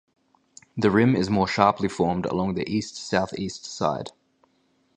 The rim is more sharply formed along the east-southeast side.